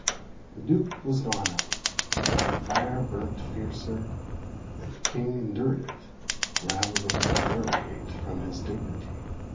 The duke was gone out: the fire burnt fiercer; and the king endured it, rather than derogate from his dignity.